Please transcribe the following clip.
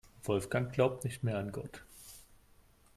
Wolfgang glaubt nicht mehr an Gott.